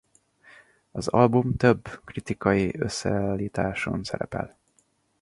Az album több kritikai összeállításon szerepel.